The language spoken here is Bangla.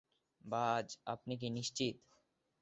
বায, আপনি কি নিশ্চিত?